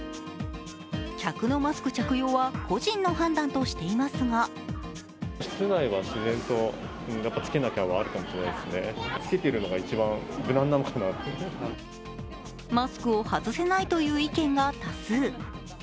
客のマスク着用は個人の判断としていますがマスクを外せないという意見が多数。